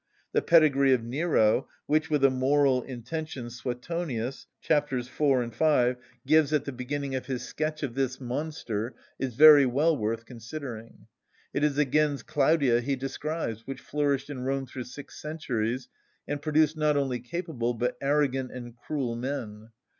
The pedigree of Nero which, with a moral intention, Suetonius (c. 4 et 5) gives at the beginning of his sketch of this monster is very well worth considering. It is the gens Claudia he describes, which flourished in Rome through six centuries, and produced not only capable, but arrogant and cruel men.